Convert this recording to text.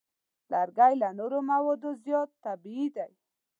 لرګی له نورو موادو زیات طبیعي دی.